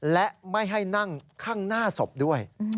และไม่ให้นั่งข้างหน้าศพด้วย